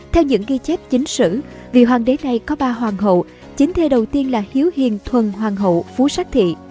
theo những ghi chép chính xử vị hoàng đế này có ba hoàng hậu chính thê đầu tiên là hiếu hiền thuần hoàng hậu phú sát thị